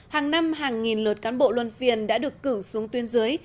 hàng năm hàng nghìn lượt cán bộ luân phiền đã được cử xuống tuyên dưới